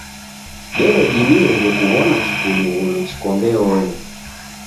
Deredimieghe kuw'ona kikulughulu chiko mbeonyi.